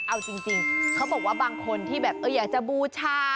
เอาจริงเขาบอกว่าบางคนที่แบบอยากจะบูชา